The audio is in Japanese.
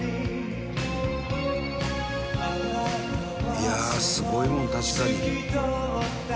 「いやあすごいもん確かに」